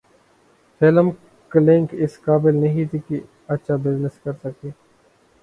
film Kalank اس قابل نہیں تھی کہ اچھا بزنس کرسکے